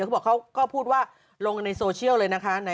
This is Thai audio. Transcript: เขาบอกเขาก็พูดว่าลงในโซเชียลเลยนะคะ